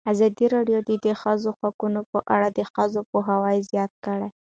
ازادي راډیو د د ښځو حقونه په اړه د خلکو پوهاوی زیات کړی.